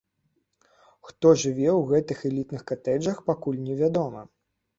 Хто жыве ў гэтых элітных катэджах, пакуль невядома.